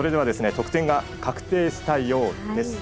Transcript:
得点が確定したようです。